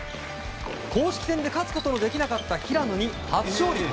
公式戦で勝つことのできなかった平野に初勝利。